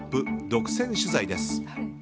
独占取材です。